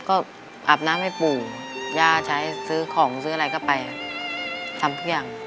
ก็อาบน้ำให้ปู่ย่าใช้ซื้อของซื้ออะไรก็ไปทำทุกอย่าง